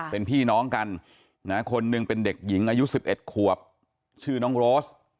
เป็นพี่น้องกันคนหนึ่งเป็นเด็กหญิงอายุ๑๑ขวบชื่อน้องโรส